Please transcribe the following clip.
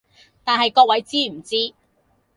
但係各位知唔知